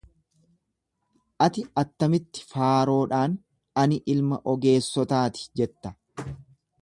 Ati attamitti Faaroodhaan ani ilma ogeessotaati jetta?